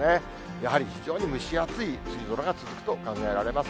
やはり非常に蒸し暑い梅雨空が続くと考えられます。